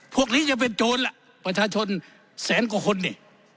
พวกนี้จะเป็นโจรล่ะประชาชนแสนกว่าคนนี่